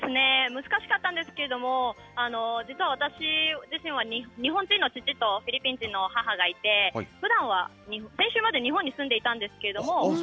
難しかったんですけれども、実は私自身は日本人の父とフィリピン人の母がいて、ふだんは、先週まで日本に住んでいたんですけども。